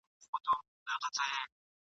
نسیم دي هر سبا راوړلای نوی نوی زېری !.